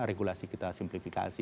regulasi kita simplifikasi